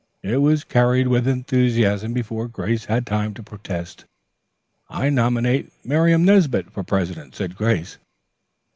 It was carried with enthusiasm before Grace had time to protest. "I nominate Miriam Nesbit for president," said Grace.